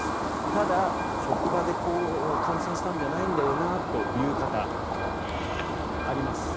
ただ、職場で感染したんじゃないんだよなという方あります。